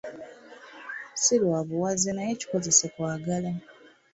Si lwa buwaze naye kikozese kwagala.